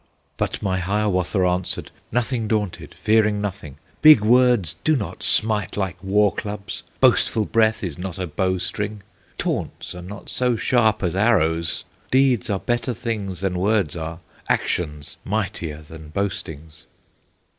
But my Hiawatha answered, Nothing daunted, fearing nothing: "Big words do not smite like war clubs, Boastful breath is not a bow string, Taunts are not so sharp as arrows, Deeds are better things than words are, Actions mightier than boastings!"